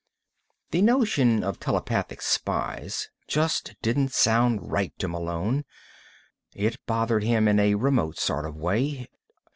The notion of telepathic spies just didn't sound right to Malone. It bothered him in a remote sort of way.